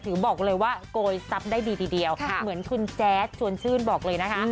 บอกเลยว่าโกยทรัพย์ได้ดีทีเดียวเหมือนคุณแจ๊ดชวนชื่นบอกเลยนะคะ